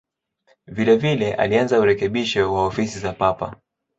Vilevile alianza urekebisho wa ofisi za Papa.